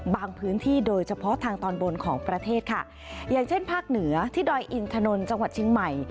พื้นที่โดยเฉพาะทางตอนบนของประเทศค่ะอย่างเช่นภาคเหนือที่ดอยอินถนนจังหวัดเชียงใหม่